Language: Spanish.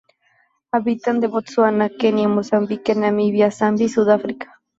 Habita en Botsuana, Kenia, Mozambique, Namibia, Zambia y Sudáfrica.